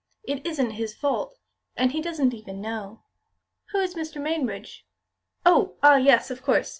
It isn't his fault, and he doesn't even know." "Who is Mr. Mainbridge? Oh, ah! yes, of course.